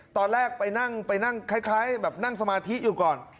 ตอนแรกไปนั่งคล้ายนั่งสมาธิอยู่ก่อน